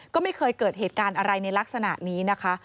ก็ไม่เคยเกิดเหตุการณ์อะไรในลักษณะนี้นะคะ